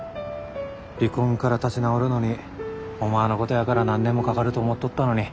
離婚から立ち直るのにお前のことやから何年もかかると思っとったのに。